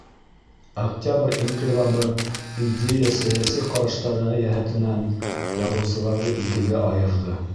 Октябрь инҡилабы идея-сәйәси ҡараштары йәһәтенән яҙыусыларҙы икегә айырҙы.